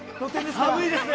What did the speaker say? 寒いですね。